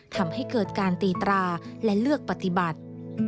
ทำให้เกิดการตีตราและเลือกปฏิบัติ